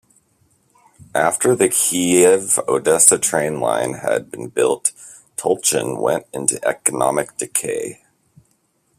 After the Kiev-Odessa train line had been built Tulchin went into economic decay.